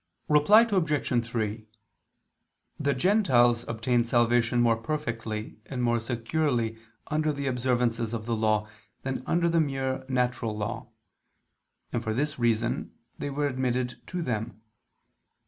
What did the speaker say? Reply Obj. 3: The Gentiles obtained salvation more perfectly and more securely under the observances of the Law than under the mere natural law: and for this reason they were admitted to them.